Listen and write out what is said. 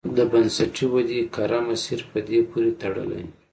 د بنسټي ودې کره مسیر په دې پورې تړلی.